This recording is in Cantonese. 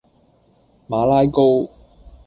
馬拉糕